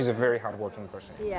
ya saya akan mencari